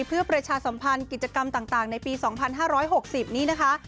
เพื่อประชาสัมพันธ์กิจกรรมต่างต่างในปีสองพันห้าร้อยหกสิบนี่นะคะ